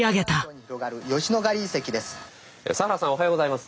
佐原さんおはようございます。